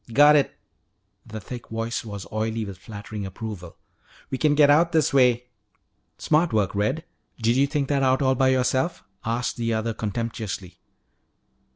"Got it!" The thick voice was oily with flattering approval. "We can get out this way " "Smart work, Red. Did you think that out all by yourself?" asked the other contemptuously.